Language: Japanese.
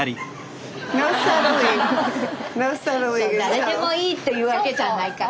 誰でもいいっていうわけじゃないから。